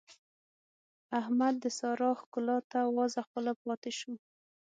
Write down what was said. احمد د سارا ښکلا ته وازه خوله پاته شو.